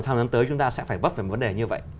sau lần tới chúng ta sẽ phải bấp về một vấn đề như vậy